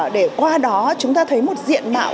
để qua đó chúng ta thấy một diện mạo